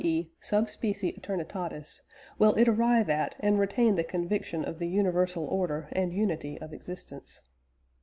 e. sub specie aeternitatis, will it arrive at and retain the conviction of the universal order and unity of existence.